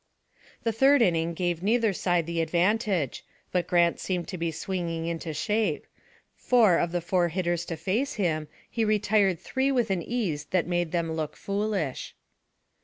The third inning gave neither side the advantage, but Grant seemed to be swinging into shape; for, of the four hitters to face him, he retired three with an ease that made them look foolish.